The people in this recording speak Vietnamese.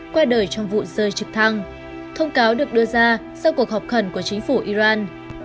qua đời trong vụ rơi trực thăng thông cáo được đưa ra sau cuộc họp khẩn của chính phủ iran